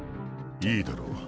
いいだろう。